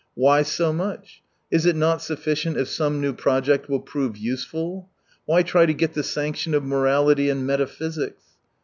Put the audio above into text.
... Why so much ? Is it not sufficient if some new project will prove useful ? Why try to get the sanction of morality and metaphysics